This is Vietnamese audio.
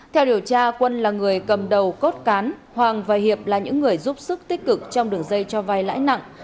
theo điều tra quân là người cầm đầu cốt cán hoàng và hiệp là những người giúp sức tích cực trong đường dây cho vay lãi nặng